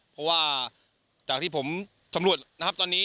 เพราะว่าจากที่ผมสำรวจนะครับตอนนี้